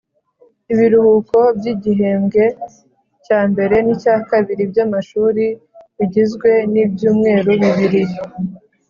Ibiruhuko byigihembwe cyambere nicyakabiri byamashuri bigizwe nibyumweru bibiri